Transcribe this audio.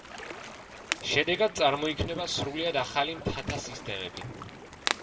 შედეგად წარმოიქმნება სრულიად ახალი მთათა სისტემები.